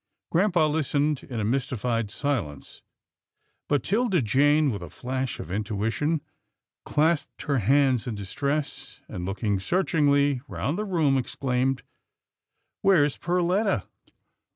Grampa listened in a mystified silence, but 'Tilda Jane, with a flash of intuition, clasped her hands in distress, and, looking searchingly round the room, exclaimed, "Where's Perletta?"